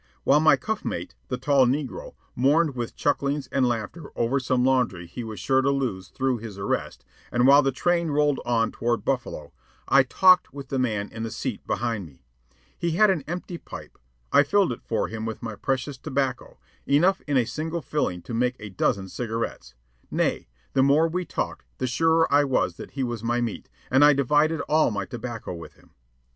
While my cuff mate, the tall negro, mourned with chucklings and laughter over some laundry he was sure to lose through his arrest, and while the train rolled on toward Buffalo, I talked with the man in the seat behind me. He had an empty pipe. I filled it for him with my precious tobacco enough in a single filling to make a dozen cigarettes. Nay, the more we talked the surer I was that he was my meat, and I divided all my tobacco with him.